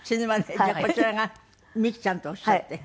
じゃあこちらが美樹ちゃんとおっしゃって。